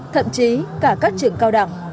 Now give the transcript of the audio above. thậm chí cả các trường cao đẳng